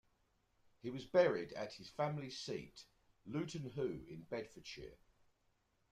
He was buried at his family's seat, Luton Hoo in Bedfordshire.